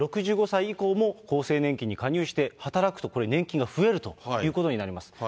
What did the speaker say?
６５歳以降も厚生年金に加入して、働くとこれ、年金が増えるということになります。